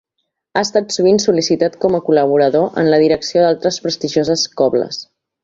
Ha estat sovint sol·licitat com a col·laborador en la direcció d'altres prestigioses cobles.